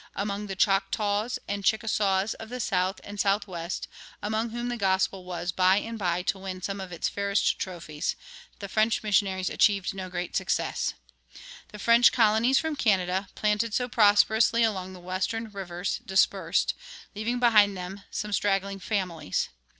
Among the Choctaws and Chickasaws of the South and Southwest, among whom the gospel was by and by to win some of its fairest trophies, the French missionaries achieved no great success.[23:3] The French colonies from Canada, planted so prosperously along the Western rivers, dispersed, leaving behind them some straggling families.